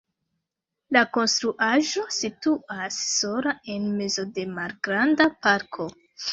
La konstruaĵo situas sola en mezo de malgranda parko.